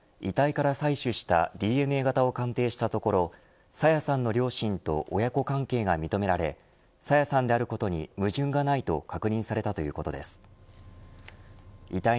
警察によりますと遺体から採取したＤＮＡ型を鑑定したところ朝芽さんの両親と親子関係が認められ朝芽さんであることに矛盾がないと確認されたということです。